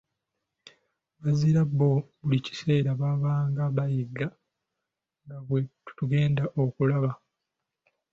Wazira bo buli kiseera baabanga bayiga nga bwe tugenda okulaba.